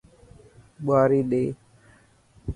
ٻواري ڏي.